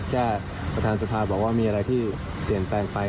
ประธานสภาบอกว่ามีอะไรที่เปลี่ยนแปลงไป